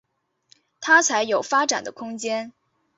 他才有发展的空间